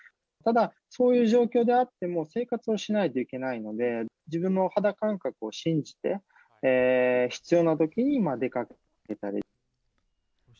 ただ、そういう状況であっても、生活をしないといけないので、自分の肌感覚を信じて、必要なときに出かけたり。